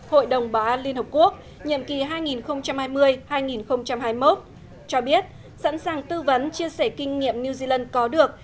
hội đồng bảo an liên hợp quốc nhiệm kỳ hai nghìn hai mươi hai nghìn hai mươi một cho biết sẵn sàng tư vấn chia sẻ kinh nghiệm new zealand có được